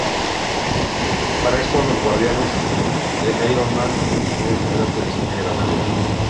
Para esto, los Guardianes e Iron Man, su nuevo integrante, destruyen la nave.